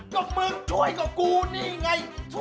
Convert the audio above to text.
ก็มึงช่วยกับกูนี่ไง